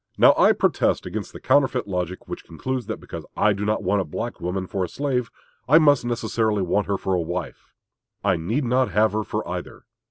Now I protest against the counterfeit logic which concludes that because I do not want a black woman for a slave I must necessarily want her for a wife. I need not have her for either.